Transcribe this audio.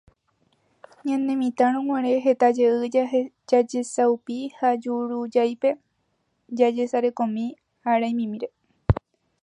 ñanemitãroguare heta jey jajesaupi ha jurujáipe jajesarekómi araimimíre.